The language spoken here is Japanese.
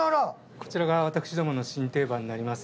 こちらが私どもの新定番になります。